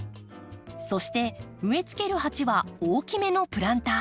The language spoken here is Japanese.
そして植えつける鉢は大きめのプランター。